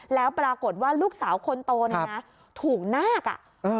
แล้วปรากฏว่าลูกสาวคนโตเนี่ยนะถูกนาคอ่ะ